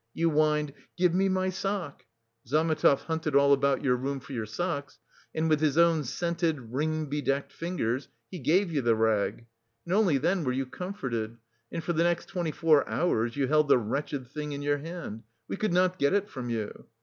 You whined, 'Give me my sock.' Zametov hunted all about your room for your socks, and with his own scented, ring bedecked fingers he gave you the rag. And only then were you comforted, and for the next twenty four hours you held the wretched thing in your hand; we could not get it from you.